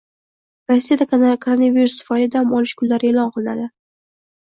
Rossiyada koronavirus tufayli dam olish kunlari e’lon qilinadi